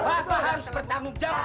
bapak harus bertanggung jawab